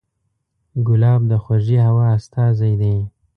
ګلاب د خوږې هوا استازی دی.